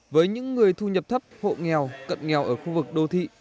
với những người thu nhập thấp hộ nghèo cận nghèo ở khu vực đô thị